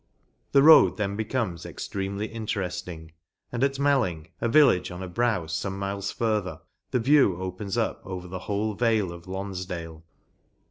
The road then becomes extremely intereft ing, and, at Melling, a village on a brow .fome miles further, the view opens over the whole vale of Lonfdale.